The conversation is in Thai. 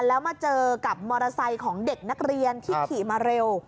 แล้วมาเจอกับมอเตอร์ไซค์ของเด็กนักเรียนที่ขี่มาเร็ว